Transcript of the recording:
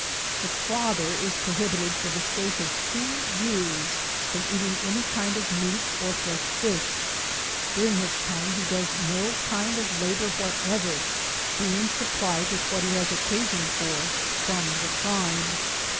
The father is prohibited for the space of two years from eating any kind of meat, or fresh fish, during which time, he does no kind of labour whatever, being supplied witii wiiat he has occasion for from the tribe.